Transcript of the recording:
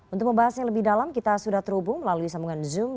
untuk membahasnya lebih dalam kita sudah terhubung melalui sambungan zoom